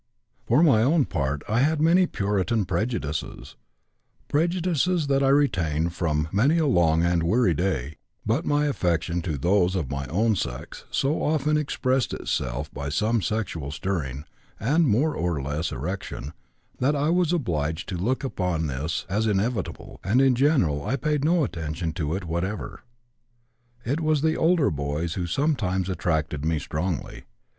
For my own part I had many Puritan prejudices prejudices that I retained for many a long and weary day but my affection for those of my own sex so often expressed itself by some sexual stirring, and more or less erection, that I was obliged to look upon this as inevitable, and in general I paid no attention to it whatever. It was the older boys' who sometimes attracted me strongly.